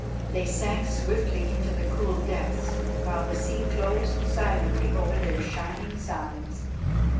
They sank swiftly into the cool depths, while the sea closed silently over their shining sides.